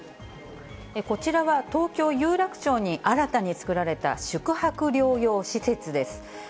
こちらは東京・有楽町に新たに作られた宿泊療養施設です。